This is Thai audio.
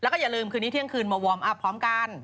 คืนนี้เที่ยงคืนมาวอร์มอัพพร้อมกัน